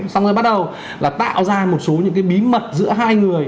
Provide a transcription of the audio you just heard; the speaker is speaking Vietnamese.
xong rồi bắt đầu là tạo ra một số những cái bí mật giữa hai người